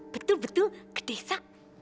betul betul ke desa